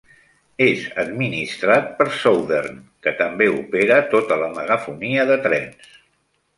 És administrat per Southern, que també opera tota la megafonia de trens.